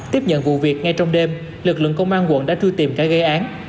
tiếp nhận vụ việc ngay trong đêm lực lượng công an quận đã thu tìm cả gây án